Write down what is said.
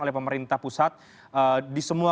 oleh pemerintah pusat di semua